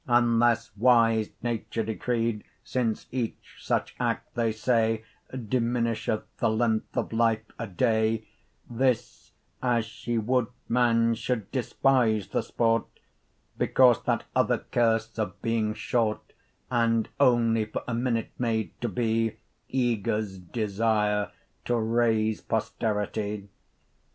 Unlesse wise Nature decreed (since each such Act, they say, Diminisheth the length of life a day) 25 This, as shee would man should despise The sport; Because that other curse of being short, And onely for a minute made to be, (Eagers desire) to raise posterity.